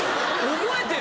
覚えてる。